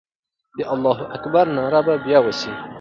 د الله اکبر ناره به بیا وسي.